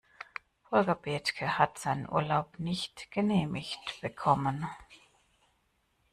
Volker Bethke hat seinen Urlaub nicht genehmigt bekommen.